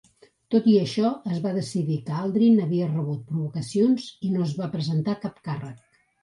Tot i això, es va decidir que Aldrin havia rebut provocacions i no es va presentar cap càrrec.